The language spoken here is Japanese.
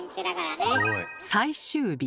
最終日。